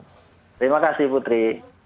terima kasih putri